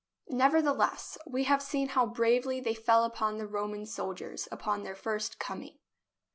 Nevertheless, we have seen how bravely they fell upon the Roman soldiers upon their first coming.